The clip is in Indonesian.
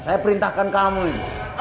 saya perintahkan kamu ini